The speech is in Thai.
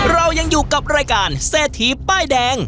เรายังอยู่กับรายการเศรษฐีป้ายแดง